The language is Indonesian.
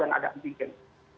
dan ada antigen